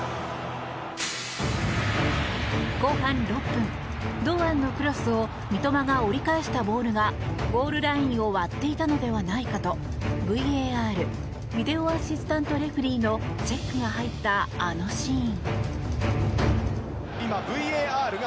後半６分、堂安のクロスを三笘が折り返したボールがゴールラインを割っていたのではないかとＶＡＲ・ビデオアシスタントレフェリーのチェックが入った、あのシーン。